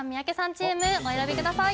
チームお選びください